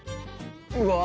うわ！